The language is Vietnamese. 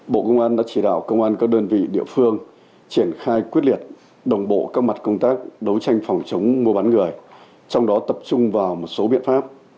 bộ công an đã chỉ đạo công an các đơn vị địa phương triển khai quyết liệt đồng bộ các mặt công tác đấu tranh phòng chống mua bán người trong đó tập trung vào một số biện pháp